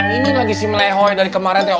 ini lagi si melehoi dari kemarin teh